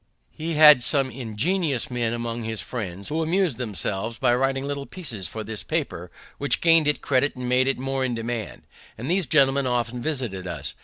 ] He had some ingenious men among his friends, who amus'd themselves by writing little pieces for this paper, which gain'd it credit and made it more in demand, and these gentlemen often visited us.